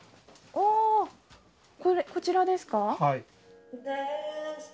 こちらですか。